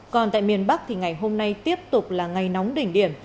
còn tại miền bắc thì ngày hôm nay tiếp tục là ngày nóng đỉnh điểm